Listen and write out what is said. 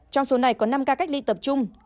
trong số này có năm ca cách ly tập trung